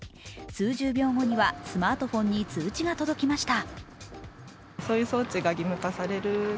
数十秒後にはスマートフォンに通知が届きました。